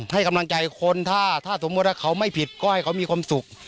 ให้กำลังใจคนถ้าสมมุติว่าเขาไม่ผิดก็ให้เขามีความสุข